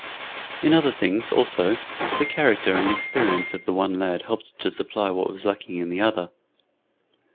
In other things, also, the character and experience of the one lad helped to supply what was lacking in the other.